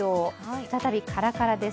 再びカラカラです。